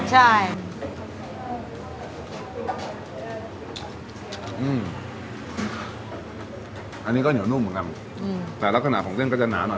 ใช่อันนี้ก็เหนียวนุ่มเหมือนกันแต่ลักษณะของเส้นก็จะหนาหน่อย